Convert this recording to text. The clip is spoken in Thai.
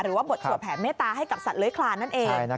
หรือว่าบทสวดแผลเมตตาให้กับสัตว์เล้ยครานนั่นเอง